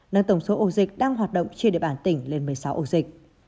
nâng tổng số ổ dịch đang hoạt động trên địa bàn tỉnh lên một mươi sáu ổ dịch